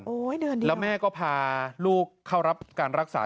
เดือนเดียวแล้วแม่ก็พาลูกเข้ารับการรักษา